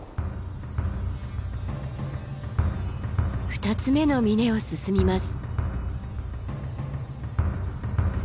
２つ目の峰を進みます。